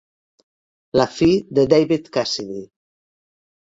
La fi de David Cassidy.